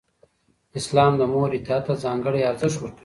اسلام د مور اطاعت ته ځانګړی ارزښت ورکوي.